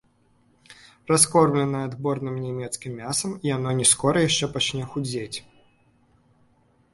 Раскормленае адборным нямецкім мясам, яно не скора яшчэ пачне худзець.